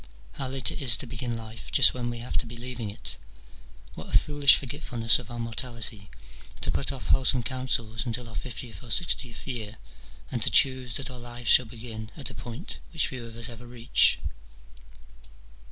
How late it is to begin life just when we have to be leaving it ! What a foolish f orget fulness of our mortality, to put off wholesome counsels until our fiftieth or sixtieth year, and to choose that our lives shall begin at a point which few of us ever reach.